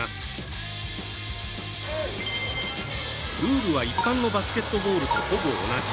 ルールは一般のバスケットボールと、ほぼ同じ。